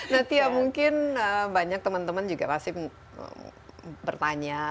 nanti ya mungkin banyak teman teman juga pasti bertanya